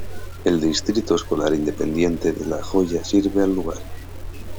El Distrito Escolar Independiente de La Joya sirve al lugar.